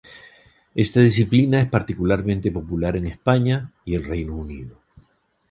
Esta disciplina es particularmente popular en España y el Reino Unido.